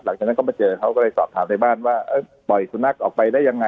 หลังจากนั้นก็มาเจอเขาก็เลยสอบถามในบ้านว่าปล่อยสุนัขออกไปได้ยังไง